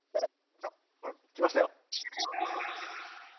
あっ来ましたよ。